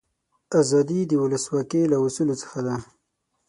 آزادي د ولسواکي له اصولو څخه ده.